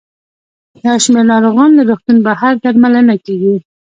یو شمېر ناروغان له روغتون بهر درملنه کیږي.